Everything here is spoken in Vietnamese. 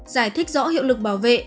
giải thích rõ hiệu lực bảo vệ